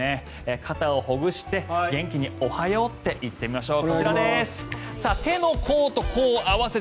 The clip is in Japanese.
肩をほぐして元気におはようって言ってみましょう。